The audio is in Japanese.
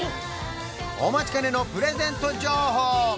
お待ちかねのプレゼント情報